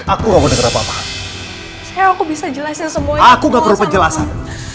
aku gak perlu penjelasan